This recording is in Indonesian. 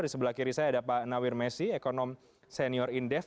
di sebelah kiri saya ada pak nawir messi ekonom senior indef